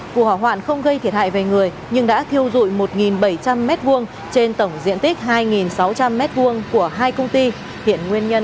vụ hỏa hoạn không gây thiệt hại về người nhưng đã thiêu dụi một bảy trăm linh m hai trên tổng diện tích hai sáu trăm linh m hai của hai công ty hiện nguyên nhân